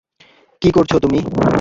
কী করছো তুমি?